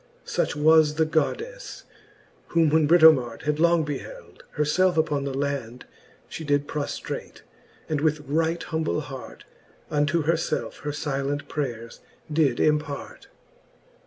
Such was the goddelfe j whom when Britomart Had long beheld, her felfe uppon the land She did proftrate, and with right bumble hart Unto her felfe her filent prayers did impart.